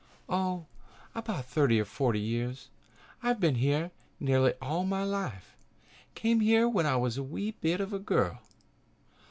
"Oh, about thirty or forty years. I've been here nearly all my life. Came here when I was a wee bit of a girl."